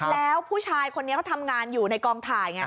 แล้วผู้ชายคนนี้เขาทำงานอยู่ในกองถ่ายไง